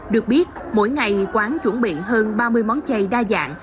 được biết mỗi ngày quán chuẩn bị hơn ba mươi món chay đa dạng